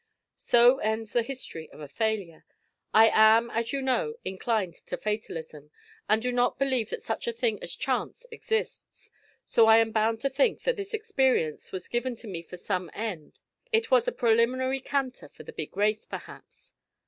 So ends the history of a failure. I am, as you know, inclined to fatalism, and do not believe that such a thing as chance exists; so I am bound to think that this experience was given to me for some end. It was a preliminary canter for the big race, perhaps.